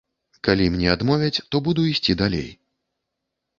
Калі мне адмовяць, то буду ісці далей.